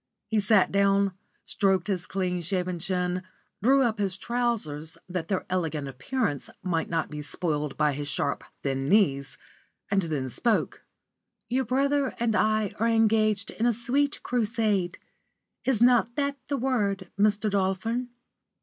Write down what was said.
He sat down, stroked his clean shaven chin, drew up his trousers that their elegant appearance might not be spoiled by his sharp, thin knees, and then spoke: "Your brother and I are engaged in a crusade. Is not that the word, Mr. Dolphin?"